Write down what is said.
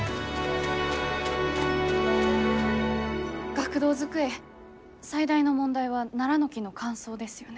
学童机最大の問題はナラの木の乾燥ですよね？